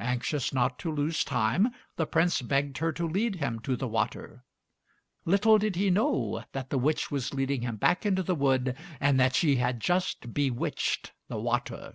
Anxious not to lose time, the Prince begged her to lead him to the water. Little did he know that the witch was leading him back into the wood, and that she had just bewitched the water!